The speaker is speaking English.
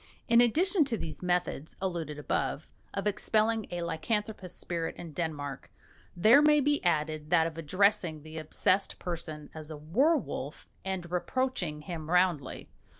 In addition to these methods (alluded to above) of expelling a lycanthropous spirit in Denmark, there may be added that of addressing the obsessed person as a werwolf and reproaching him roundly.